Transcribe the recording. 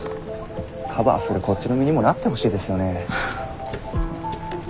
カバーするこっちの身にもなってほしいですよね。